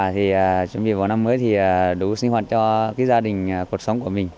thì chuẩn bị vào năm mới thì đủ sinh hoạt cho gia đình cuộc sống của mình